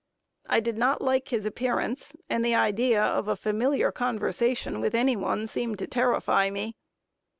I did not like his appearance, and the idea of a familiar conversation with any one seemed to terrify me.